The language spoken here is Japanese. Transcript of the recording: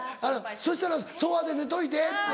そしたらソファで寝といて」って。